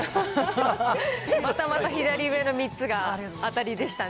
またまた左上の３つが当たりでしたね。